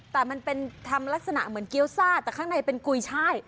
แต่มันเป็นทำลักษณะเหมือนเกี้ยวซ่าแต่ข้างในเป็นกุยช่าย